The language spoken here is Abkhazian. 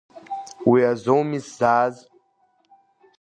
Уи азоуми сзааз.